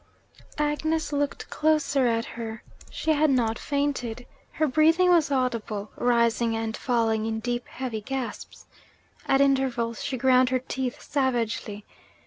Agnes looked closer at her. She had not fainted. Her breathing was audible, rising and falling in deep heavy gasps. At intervals she ground her teeth savagely.